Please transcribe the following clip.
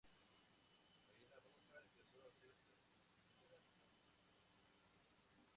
Ahí la Roja empezó a hacer sus primeras armas.